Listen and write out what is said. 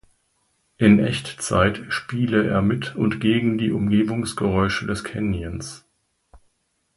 In Echtzeit spiele er mit und gegen die Umgebungsgeräusche des Canyons.